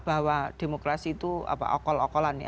bahwa demokrasi itu okol okolan ya